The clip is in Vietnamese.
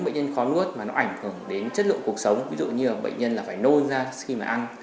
bệnh nhân khó nuốt mà nó ảnh hưởng đến chất lượng cuộc sống ví dụ như là bệnh nhân là phải nôn ra khi mà ăn